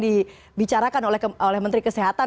dibicarakan oleh menteri kesehatan